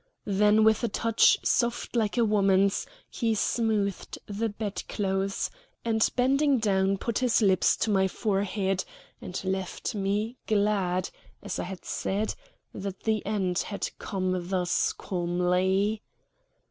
Then with a touch soft like a woman's he smoothed the bedclothes, and bending down put his lips to my forehead, and left me glad, as I had said, that the end had come thus calmly.